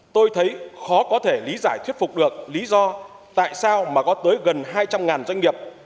tôi thấy khó có thể lý giải thuyết phục được lý do tại sao mà có tới gần hai trăm linh doanh nghiệp